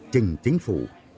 trên các nơi nơi nơi